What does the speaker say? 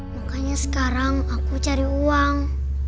makanya sekarang aku cari uang